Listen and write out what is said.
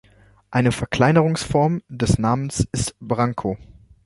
Eine Verkleinerungsform des Namens ist Branko.